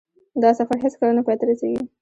دا سفر هېڅکله نه پای ته رسېږي.